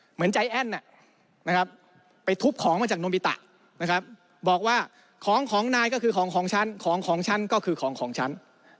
เหมือนใจแอ้นไปทุบของมาจากโนมิตะบอกว่าของนายก็คือของฉันของฉันก็คือของฉัน